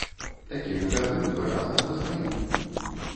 Такі гэта вы, выразна пазнаю.